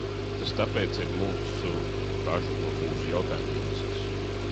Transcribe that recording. Tas tāpēc ir mūsu bažu un mūsu jautājumu iemesls.